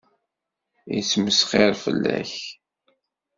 Yettmesxiṛ fell-ak.